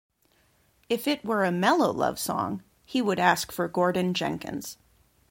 If it were a mellow love song, he would ask for Gordon Jenkins.